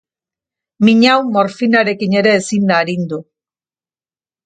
Min hau morfinarekin ere ezin da arindu.